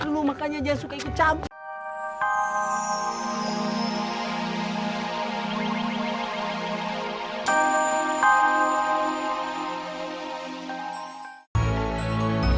lu makanya dia suka ikut campur